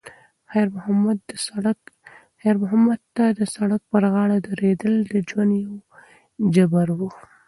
خیر محمد ته د سړک پر غاړه درېدل د ژوند یو جبر و.